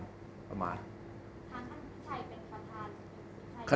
ขณะนี้ท่านอาจารย์พี่ชัยเป็นประธานครับ